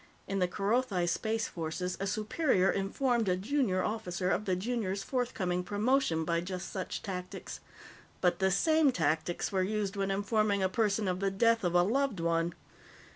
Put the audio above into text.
In the Kerothi Space Forces, a superior informed a junior officer of the junior's forthcoming promotion by just such tactics. But the same tactics were used when informing a person of the death of a loved one.